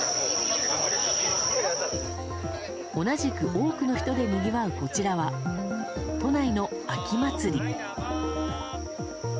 同じく多くの人でにぎわうこちらは都内の秋祭り。